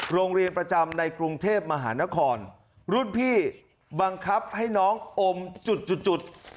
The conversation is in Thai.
โรงเรียนประจำในกรุงเทพมหานครรุ่นพี่บังคับให้น้องอมจุดจุด